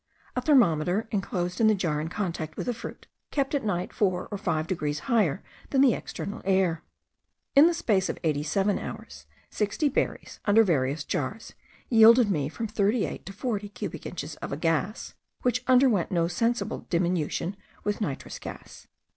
A thermometer, enclosed in the jar in contact with the fruit, kept at night 4 or 5 degrees higher than the external air. In the space of eighty seven hours, sixty berries, under various jars, yielded me from thirty eight to forty cubic inches of a gas, which underwent no sensible diminution with nitrous gas.